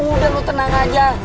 udah lu tenang aja